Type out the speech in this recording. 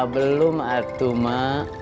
belum atu ma